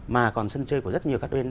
mà còn sân chơi của rất nhiều các bên